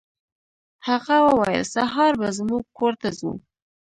هغه وویل سهار به زموږ کور ته ځو.